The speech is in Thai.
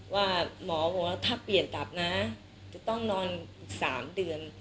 ว่าหมอบอกว่าถ้าเปลี่ยนตับนะจะต้องนอนอีก๓เดือน